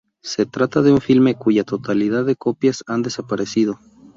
Se trata de un filme cuya totalidad de copias han desaparecido.